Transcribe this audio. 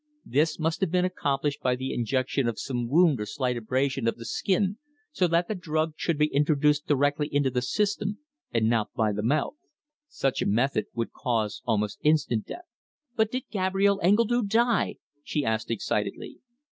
This must have been accomplished by the infection of some wound or slight abrasion of the skin so that the drug should be introduced directly into the system and not by the mouth. Such a method would cause almost instant death." "But did Gabrielle Engledue die?" she asked excitedly.